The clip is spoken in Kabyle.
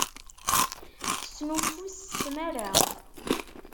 Tesnuffus s tmara.